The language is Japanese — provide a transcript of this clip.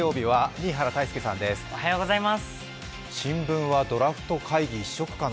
新聞はドラフト会議一色かな。